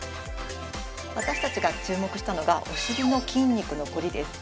私たちが注目したのがお尻の筋肉のコリです。